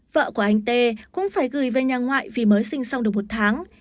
vợ của anh tê cũng phải gửi về nhà ngoại vì mới sinh xong được một tháng